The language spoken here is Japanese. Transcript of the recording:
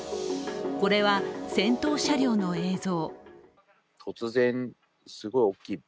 これは、先頭車両の映像。